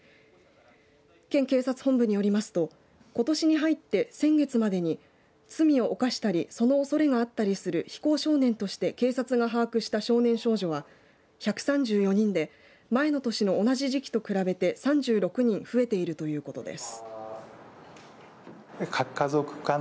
県警察本部によりますとことしに入って先月までに罪を犯したりそのおそれがあったりする非行少年として警察が把握した少年少女は１３４人で前の年の同じ時期と比べて３６人増えているということです。